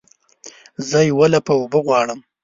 زه یوه لپه اوبه غواړمه